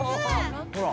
ほら。